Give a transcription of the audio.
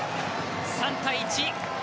３対１！